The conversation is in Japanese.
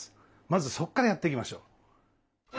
まずそこからやっていきましょう。